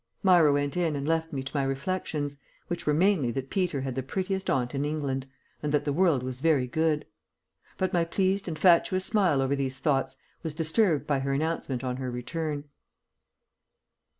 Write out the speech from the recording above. Myra went in and left me to my reflections, which were mainly that Peter had the prettiest aunt in England, and that the world was very good. But my pleased and fatuous smile over these thoughts was disturbed by her announcement on her return.